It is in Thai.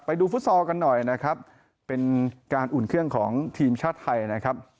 ฟุตซอลกันหน่อยนะครับเป็นการอุ่นเครื่องของทีมชาติไทยนะครับ